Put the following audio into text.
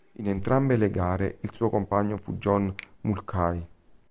In entrambe le gare il suo compagno fu John Mulcahy.